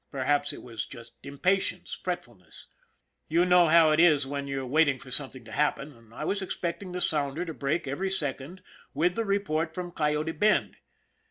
Perhaps it was just impatience, fretfulness. You know how it is when you're waiting for something to happen, and I was expecting the sounder to break every second with that report from Coyote Bend.